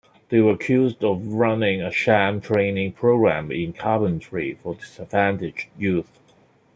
They were accused of running a sham training program in carpentry for disadvantaged youth.